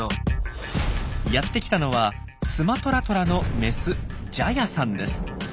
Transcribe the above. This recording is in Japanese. やってきたのはスマトラトラのメスジャヤさんです。